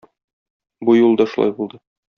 Бу юлы да шулай булды.